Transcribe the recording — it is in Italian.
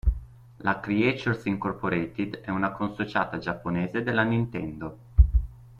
La Creatures Incorporated è una consociata giapponese della Nintendo.